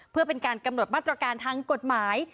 เพื่อเป็นการกำหนดมาตรการทางกฎหมาย